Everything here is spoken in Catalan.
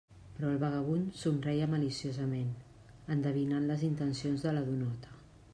Però el vagabund somreia maliciosament, endevinant les intencions de la donota.